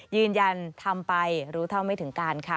ยืนยันทำไปรู้เท่าไม่ถึงการค่ะ